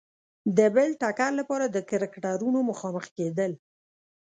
د بل ټکر لپاره د کرکټرونو مخامخ کېدل.